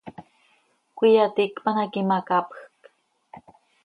Cöiyaticpan hac imacapjc.